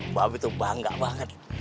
mbak abi tuh bangga banget